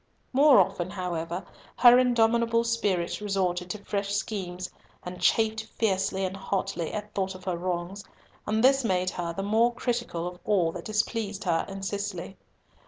More often, however, her indomitable spirit resorted to fresh schemes, and chafed fiercely and hotly at thought of her wrongs; and this made her the more critical of all that displeased her in Cicely.